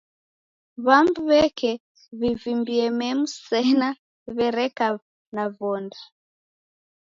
W'amu w'eka w'ivimbie memu sena w'ereka na vonda.